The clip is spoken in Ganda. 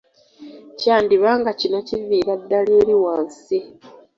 Kyandiba nga kino kiviira ddala eri wansi